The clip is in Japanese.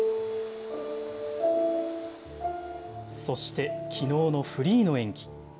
そしてきのうのフリーの演技。